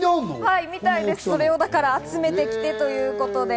それを集めてきてということで。